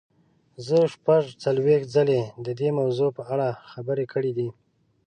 زه شپږ څلوېښت ځلې د دې موضوع په اړه خبرې کړې دي.